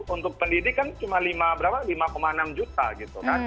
untuk pendidik kan cuma lima berapa lima enam juta gitu kan